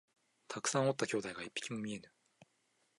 たくさんおった兄弟が一匹も見えぬ